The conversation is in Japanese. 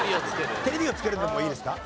「テレビをつける」でもいいですか？